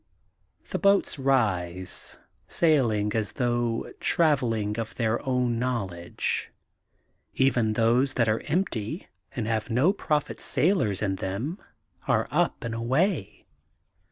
The boats rise, sailing as though travelling of their own knowledge. Even those that are empty and have no prophet sailors in them are up and away.